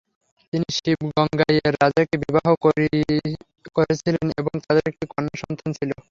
তিনি শিবগঙ্গাইয়ের রাজাকে বিবাহ করেছিলেন এবং তাদের একটি কন্যা সন্তান ছিল।